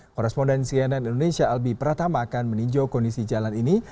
korresponden cnn indonesia albi pratama akan meninjau kondisi jalan ini